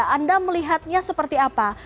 anda melihatnya seperti apa